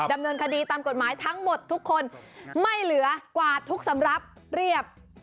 ดำเนินคดีตามกฎหมายทั้งหมดทุกคนไม่เหลือกวาดทุกสำรับเรียบ